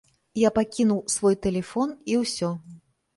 Я пакінуў свой тэлефон, і ўсё.